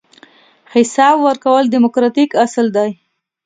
حساب ورکول دیموکراتیک اصل دی.